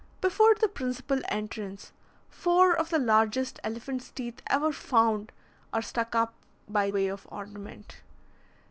Before the principal entrance, four of the largest elephant's teeth ever found are stuck up by way of ornament.